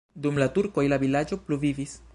Dum la turkoj la vilaĝo pluvivis.